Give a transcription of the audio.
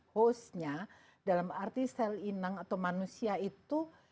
hostnya dalam arti sel inang atau manusia itu